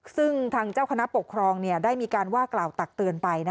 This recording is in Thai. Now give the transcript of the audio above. ซึ่งทางเจ้าคณะปกครองได้มีการว่ากล่าวตักเตือนไป